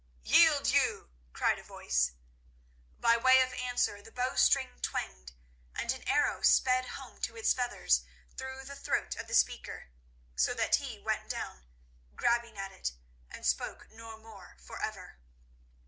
"Yield you!" cried a voice. By way of answer the bowstring twanged, and an arrow sped home to its feathers through the throat of the speaker, so that he went down, grabbing at it, and spoke no more for ever.